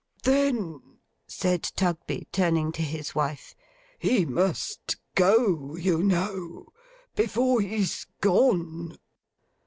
'Then,' said Tugby, turning to his wife, 'he must Go, you know, before he's Gone.